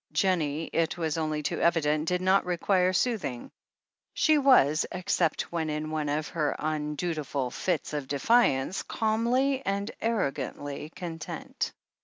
Jennie, it was only too evident, did not require sooth ing. She was, except when in one of her undutiful fits of defiance, calmly and arrogantly content.